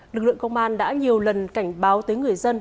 lực lượng công an đã nhiều lần cảnh báo tới người dân